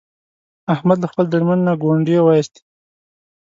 احمد له خپل درمند نه ګونډی و ایستلا.